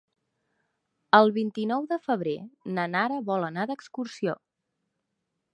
El vint-i-nou de febrer na Nara vol anar d'excursió.